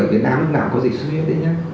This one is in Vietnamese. ở việt nam lúc nào có dịch suy biết đấy nhé